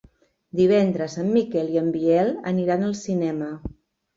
Divendres en Miquel i en Biel aniran al cinema.